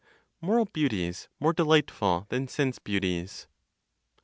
MORAL BEAUTIES MORE DELIGHTFUL THAN SENSE BEAUTIES.